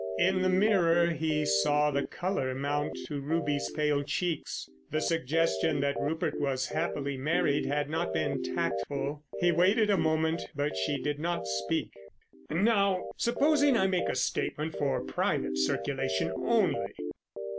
In the mirror he saw the colour mount to Ruby's pale cheeks. The suggestion that Rupert was happily married had not been tactful. He waited a moment, but she did not speak. "Now, supposing I make a statement for private circulation only.